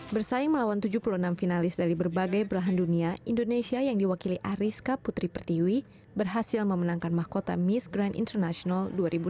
bersaing melawan tujuh puluh enam finalis dari berbagai belahan dunia indonesia yang diwakili ariska putri pertiwi berhasil memenangkan mahkota miss grand international dua ribu enam belas